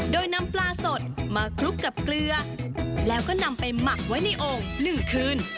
โดยนำปลาสดมาคลุกกับเกลือแล้วก็นำไปหมักไว้ในโอ่ง๑คืน